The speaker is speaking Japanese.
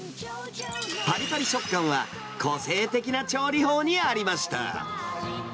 ぱりぱり食感は、個性的な調理法にありました。